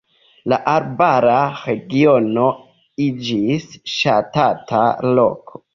La arbara regiono iĝis ŝatata loko.